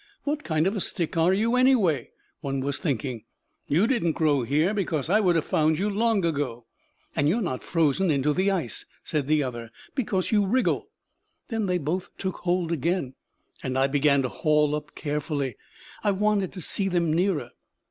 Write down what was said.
"What kind of a stick are you, anyway?" one was thinking. "You didn't grow here, because I would have found you long ago." "And you're not frozen into the ice," said the other, "because you wriggle." Then they both took hold again, and I began to haul up carefully. I wanted to see them nearer.